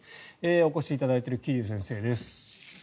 お越しいただいている桐生先生です。